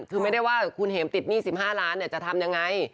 คือไม่ได้ว่าคุณเห็มติดหนี้๑๕ล้านจะทำยังไง